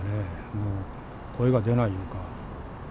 もう声が出ないいうか。